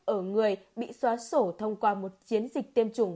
ở người bị xóa sổ thông qua một chiến dịch tiêm chủng